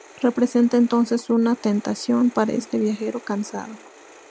Representa entonces una tentación para este viajero cansado.